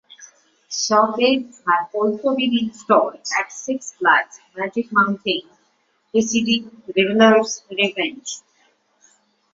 Shockwave had also been installed at Six Flags Magic Mountain, preceding Riddler's Revenge.